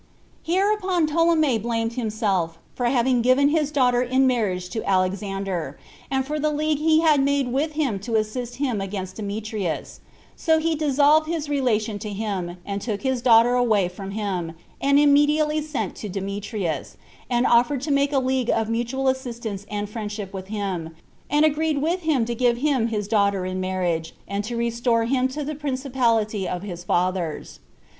7. Hereupon Ptolemy blamed himself for having given his daughter in marriage to Alexander, and for the league he had made with him to assist him against Demetrius; so he dissolved his relation to him, and took his daughter away from him, and immediately sent to Demetrius, and offered to make a league of mutual assistance and friendship with him, and agreed with him to give him his daughter in marriage, and to restore him to the principality of his fathers.